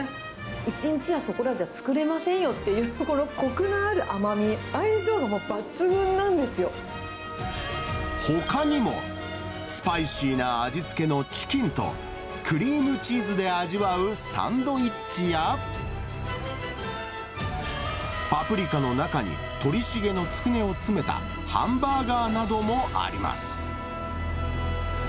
１日やそこらじゃ作れませんよっていう、このこくのある甘み、ほかにも、スパイシーな味付けのチキンと、クリームチーズで味わうサンドイッチや、パプリカの中に鳥茂のつくねを詰めたハンバーガーなどもあります。